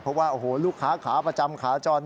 เพราะว่าโอ้โหลูกค้าขาประจำขาจร